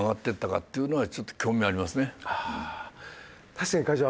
確かに会長